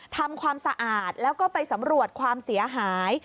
ทำความสะอาดแล้วก็ไปสำรวจความเสียหาย